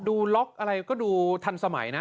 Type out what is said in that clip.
ดูล็อกอะไรก็ดูทันสมัยนะ